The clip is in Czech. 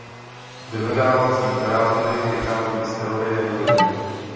Vyhledávací operátory vycházejí z teorie množin.